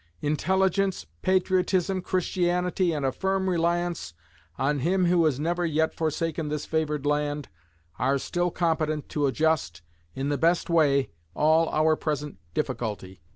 Intelligence, patriotism, Christianity, and a firm reliance on Him who has never yet forsaken this favored land, are still competent to adjust, in the best way, all our present difficulty.